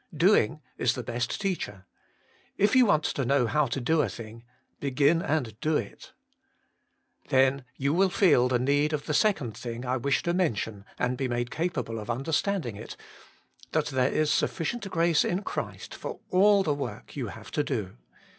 Doing is the best teacher. If you want to know how to do a thing, begin and do it. Then you will feel the need of the second thing I wish to mention, and be made capa 40 Working for God ble of understanding it, — that there is suffi cient grace in Christ for all the work you have to do.